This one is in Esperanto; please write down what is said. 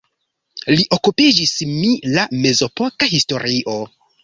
Li okupiĝis mi la mezepoka historio.